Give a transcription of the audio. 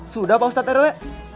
sudah pak ustaz eroi